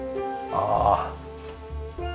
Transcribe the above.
ああ。